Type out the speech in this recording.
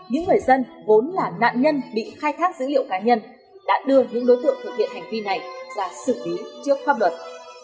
những người dân vốn là nạn nhân bị khai thác dữ liệu cá nhân đã đưa những đối tượng thực hiện hành vi này ra xử lý trước pháp luật